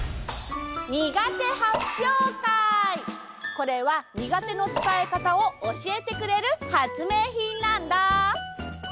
これはにがてのつたえかたをおしえてくれるはつめいひんなんだ！